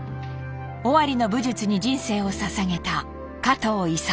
尾張の武術に人生をささげた加藤伊三男。